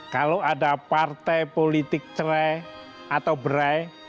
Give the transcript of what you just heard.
kalau ada partai politik cerai atau berai